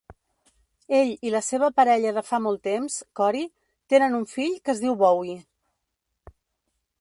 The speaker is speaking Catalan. Ell i la seva parella de fa molt temps, Cory, tenen un fill que es diu Bowie.